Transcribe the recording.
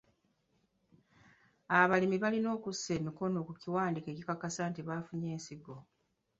Abalimi balina okussa emikono ku kiwandiiko ekikakasa nti bafunye ensigo.